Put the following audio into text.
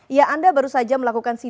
ya anda baru saja melakukan sidang